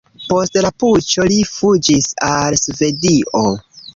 Post la puĉo li fuĝis al Svedio.